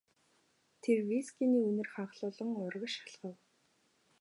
Тэр вискиний үнэр ханхлуулан урагш алхав.